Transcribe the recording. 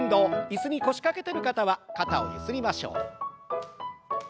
椅子に腰掛けてる方は肩をゆすりましょう。